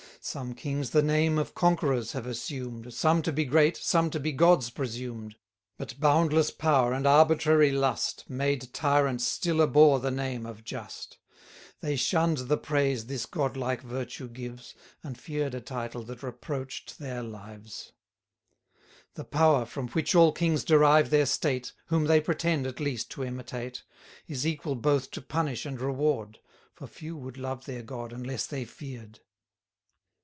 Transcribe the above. Some kings the name of conquerors have assumed, 340 Some to be great, some to be gods presumed; But boundless power and arbitrary lust Made tyrants still abhor the name of just; They shunn'd the praise this godlike virtue gives, And fear'd a title that reproach'd their lives. The Power, from which all kings derive their state, Whom they pretend, at least, to imitate, Is equal both to punish and reward; For few would love their God, unless they fear'd.